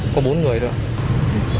có bốn người thôi